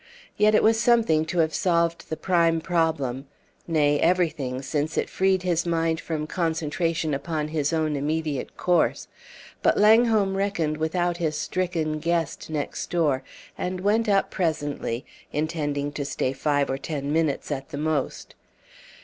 Yet it was something to have solved the prime problem; nay, everything, since it freed his mind for concentration upon his own immediate course. But Langholm reckoned without his stricken guest next door; and went up presently, intending to stay five or ten minutes at the most.